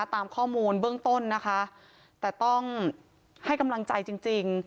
ตามข้อมูลเบื้องต้นนะคะแต่ต้องให้กำลังใจจริงจริง